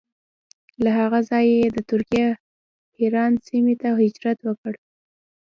له هغه ځایه یې د ترکیې حران سیمې ته هجرت وکړ.